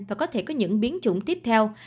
và có thể có những biến chủng tiếp theo